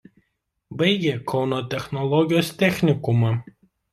Baigė Kauno technologijos technikumą.